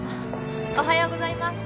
おはようございます。